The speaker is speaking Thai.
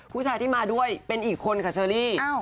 ผู้ชายที่มาด้วยเป็นอีกคนค่ะเชอรี่